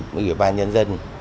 những ủy ban nhân dân